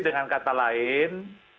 dengan kata lain